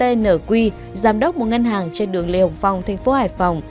tnq giám đốc một ngân hàng trên đường lê hồng phong tp hải phòng